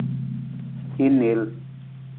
Hin niil.